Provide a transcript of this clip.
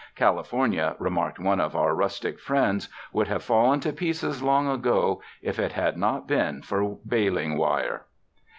''California," remarked one of our rustic friends, ''would have fallen to pieces long ago, if it had not been for baling wire."